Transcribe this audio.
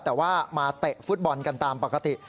แต่ว่ามาเตะฟุตบอลกันตามปกติ